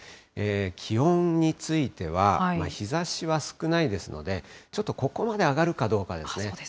気温については、日ざしは少ないですので、ちょっとここまで上がるかどうかですね。